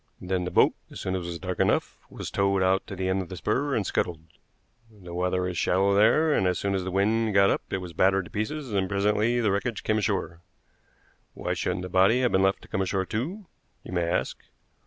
"Then the boat, as soon as it was dark enough, was towed out to the end of the spur and scuttled. The water is shallow there, and as soon as the wind got up it was battered to pieces and presently the wreckage came ashore. Why shouldn't the body have been left to come ashore too? you may ask.